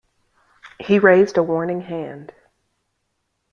He raised a warning hand.